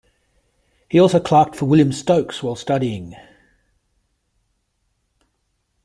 He also clerked for William Stokes while studying.